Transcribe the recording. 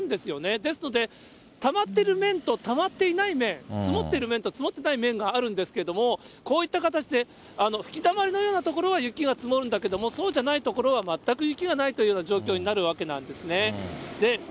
ですので、たまっている面と、たまっていない面、積もっている面と積もっていない面があるんですけれども、こういった形で、吹きだまりのような所は雪が積もるんだけれども、そうじゃない所は、全く雪がないというような状況になるわけなんですね。